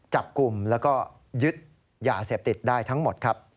จับกลุ่มแล้วก็ยึดยาเสพติดได้ทั้งหมดครับ